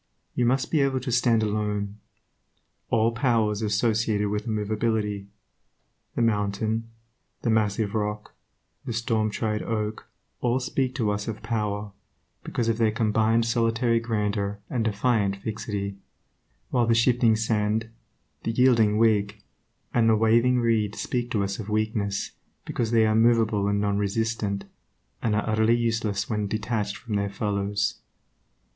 You must be able to stand alone. All power is associated with immovability. The mountain, the massive rock, the storm tried oak, all speak to us of power, because of their combined solitary grandeur and defiant fixity; while the shifting sand, the yielding twig, and the waving reed speak to us of weakness, because they are movable and non resistant, and are utterly useless when detached from their fellows.